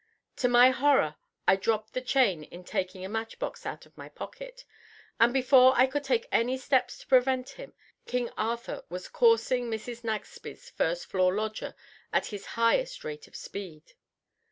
To my horror I dropped the chain in taking a match box out of my pocket, and before I could take any steps to prevent him _King Arthur was coursing Mrs. Nagsby's first floor lodger at his highest rate of speed!!!